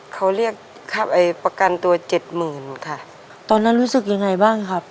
เขาเรียกค่าไปประกันตัวเจ็ดหมื่นค่ะตอนนั้นรู้สึกยังไงบ้างครับ